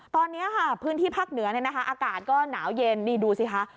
ตอนนี้ค่ะพื้นที่ภาคเหนือเนี่ยนะคะอากาศก็หนาวเย็นนี่ดูสิคะ